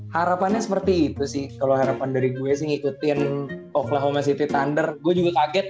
harapannya seperti itu sih kalau harapan dari gue sih ngikutin off lah homo city thunder gue juga kaget